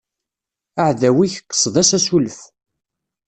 Aɛdaw-ik, qsed-as asulef.